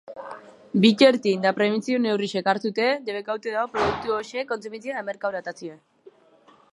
Bitartean, eta prebentzio-neurri gisa, debekatuta dago produktu horiek kontsumitzea eta merkaturatzea.